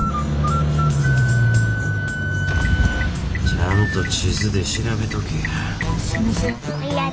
ちゃんと地図で調べとけや。